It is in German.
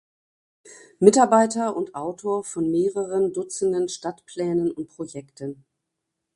Mitarbeiter und Autor von mehreren Dutzenden Stadtplänen und Projekten.